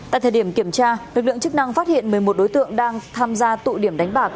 tại thời điểm kiểm tra lực lượng chức năng phát hiện một mươi một đối tượng đang tham gia tụ điểm đánh bạc